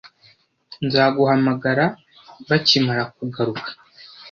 Nzaguhamagara bakimara kugaruka.